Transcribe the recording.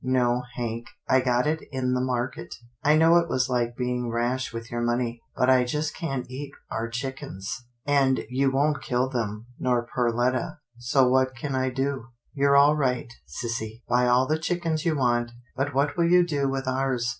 " No, Hank, I got it in the market. I know it was like being rash with your money, but I just can't eat our chickens. 48 'TILDA JANE'S ORPHANS and you won't kill them, nor Perletta, so what can I do?" " You're all right, sissy, buy all the chickens you want, but what will you do with ours?